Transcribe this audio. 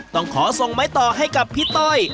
ต้องขอส่งไม้ต่อให้กับพี่ต้อย